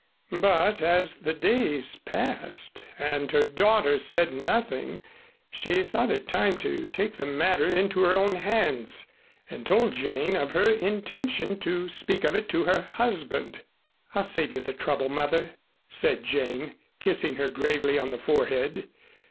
But as the days passed and her daughter said nothing, she thought it time to take the matter into her own hands and told Jane of her intention to speak of it to her husband. "I'll save you the trouble, Mother," said Jane, kissing her gravely on the forehead.